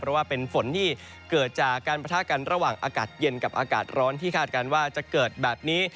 เพราะว่าเป็นฝนที่เกิดจากการประทะกันระหว่างอากาศเย็นกับอากาศร้อนที่คาดการณ์ว่าจะเกิดแบบนี้